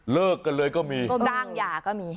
เลิกกันเลยก็มีจ้างหย่าก็มี